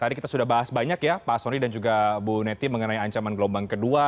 tadi kita sudah bahas banyak ya pak soni dan juga bu neti mengenai ancaman gelombang kedua